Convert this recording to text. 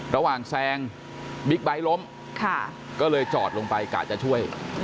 แซงบิ๊กไบท์ล้มก็เลยจอดลงไปกะจะช่วย